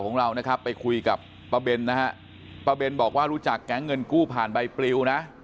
ของเรานะครับไปคุยกับป้าเบนนะฮะป้าเบนบอกว่ารู้จักแก๊งเงินกู้ผ่านใบปลิวนะ